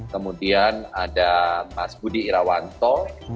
kemudian ada mas budi irawanto